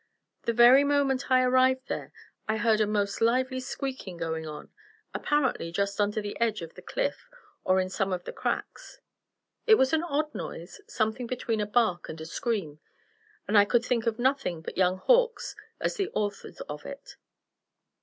The very moment I arrived there, I heard a most lively squeaking going on, apparently just under the edge of the cliff or in some of the cracks. It was an odd noise, something between a bark and scream, and I could think of nothing but young hawks as the authors of it.